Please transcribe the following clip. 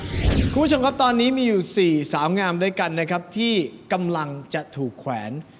คุณผู้ชมครับตอนนี้มีอยู่๔สาวงามด้วยกันนะครับที่กำลังจะถูกแขวน